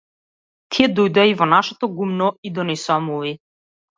Тие дојдоа и во нашето гумно и донесоа муви.